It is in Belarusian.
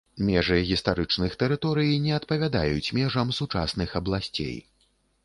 Межы гістарычных тэрыторый не адпавядаюць межам сучасных абласцей.